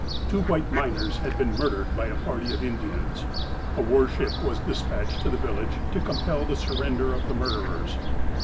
Two white miners had been murdered by a party of Indians. A war ship was despatched to the village to compel the surrender of the murderers.